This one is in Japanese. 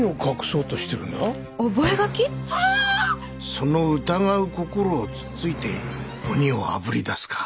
その疑う心をつっついて鬼をあぶり出すか。